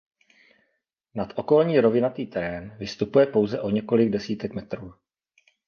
Nad okolní rovinatý terén vystupuje pouze o několik desítek metrů.